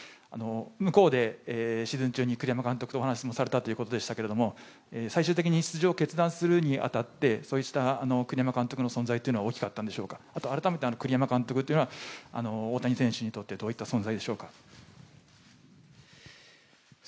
向こうでシーズン中に栗山監督とお話もされたということでしたけども、最終的に出場を決断するに当たって栗山監督の存在というのは大きかったんでしょうかあと改めて栗山監督は大谷選手にとってどういった存在でしょうか？